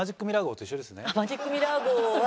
マジックミラー号は。